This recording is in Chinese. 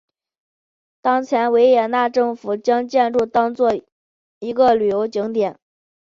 当前维也纳政府将建筑当作一个旅游景点。